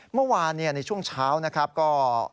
เมื่อวานในช่วงเช้านะครับก็